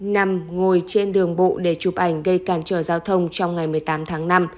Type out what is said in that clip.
nằm ngồi trên đường bộ để chụp ảnh gây cản trở giao thông trong ngày một mươi tám tháng năm